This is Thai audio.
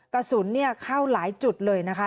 กระสุนเข้าหลายจุดเลยนะคะ